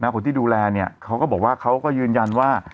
คนที่ดูแลเนี่ยเขาก็บอกว่าเขาก็ยืนยันว่า